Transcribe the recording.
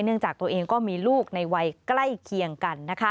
จากตัวเองก็มีลูกในวัยใกล้เคียงกัน